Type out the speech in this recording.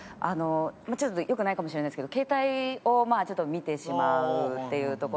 ちょっと良くないかもしれないんですけど携帯をまあちょっと見てしまうっていうところで。